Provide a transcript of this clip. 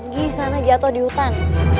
gisana jatoh di hutan